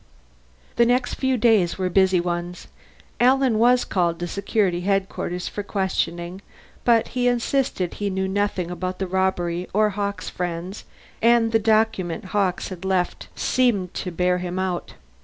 The next few days were busy ones. Alan was called to Security headquarters for questioning, but he insisted he knew nothing about the robbery or Hawkes' friends, and the document Hawkes had left seemed to bear him out.